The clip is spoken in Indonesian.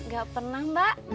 gak pernah mbak